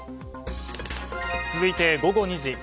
続いて午後２時。